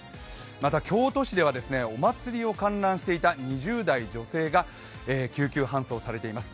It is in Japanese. また京都市ではお祭りを観覧していた２０代女性が救急搬送されています。